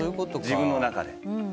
自分の中で。